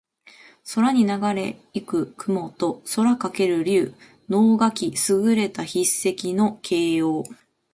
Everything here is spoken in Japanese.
空にながれ行く雲と空翔ける竜。能書（すぐれた筆跡）の形容。